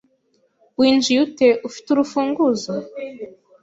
Winjiye ute? Ufite urufunguzo?